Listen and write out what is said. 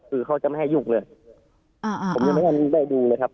คือเขาจะไม่ให้ยุ่งเลยอ่าผมยังไม่ให้ได้ดูเลยครับ